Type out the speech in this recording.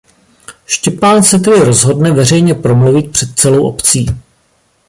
Štěpán se tedy rozhodne veřejně promluvit před celou obcí.